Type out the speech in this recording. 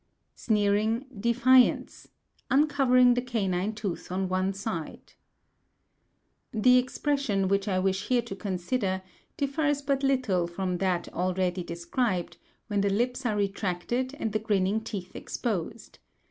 Sneering, Defiance: Uncovering the canine tooth on one side.—The expression which I wish here to consider differs but little from that already described, when the lips are retracted and the grinning teeth exposed.